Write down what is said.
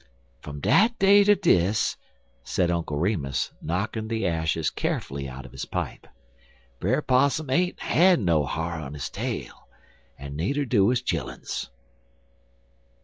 "Fum dat day ter dis," said Uncle Remus, knocking the ashes carefully out of his pipe, "Brer Possum ain't had no ha'r on his tail, en needer do his chilluns."